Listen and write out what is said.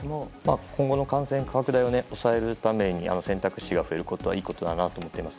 今後の感染拡大を抑えるために選択肢が増えることはいいことだなと思っています。